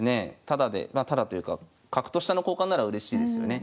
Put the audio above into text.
タダでまあタダというか角と飛車の交換ならうれしいですよね。